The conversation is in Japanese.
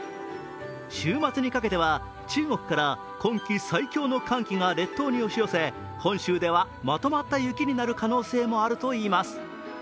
週末にかけては中国から今季最強の寒気が列島に押し寄せ本州ではまとまった雪になる可能性もあるといいます。